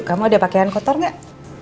kamu ada pakaian kotor gak